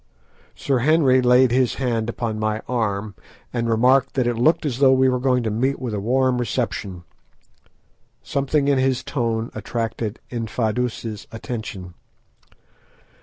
Sir Henry laid his hand upon my arm, and remarked that it looked as though we were going to meet with a warm reception. Something in his tone attracted Infadoos' attention.